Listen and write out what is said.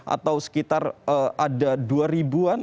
atau sekitar ada dua ribu an